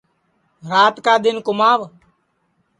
رات کا دؔن کُماو